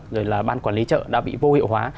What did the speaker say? rồi là ban quản lý chợ đã bị vô hiệu hóa